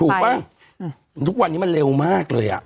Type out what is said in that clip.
ถูกปะทุกวันนี้มันเร็วหมต์เลยอะ